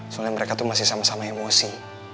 soalnya mereka tuh masih sama sama emosi